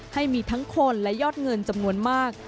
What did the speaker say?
ให้มีทั้งคนและยอดเงินจำนวนมาก